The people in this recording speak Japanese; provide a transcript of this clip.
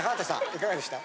いかがでした？